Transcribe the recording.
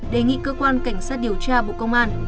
đề nghị cơ quan cảnh sát điều tra bộ công an